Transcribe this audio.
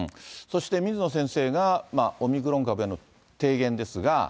そして水野先生が、オミクロン株への提言ですが。